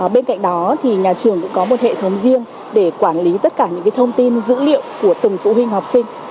bên cạnh đó nhà trường cũng có một hệ thống riêng để quản lý tất cả những thông tin dữ liệu của từng phụ huynh học sinh